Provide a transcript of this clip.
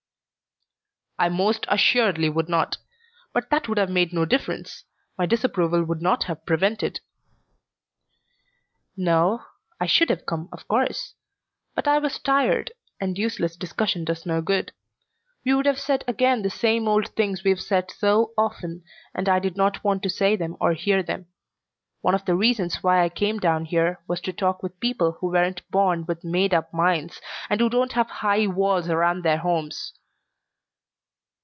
"I most assuredly would not. But that would have made no difference. My disapproval would not have prevented." "No. I should have come, of course. But I was tired, and useless discussion does no good. We would have said again the same old things we've said so often, and I didn't want to say them or hear them. One of the reasons why I came down here was to talk with people who weren't born with made up minds, and who don't have high walls around their homes."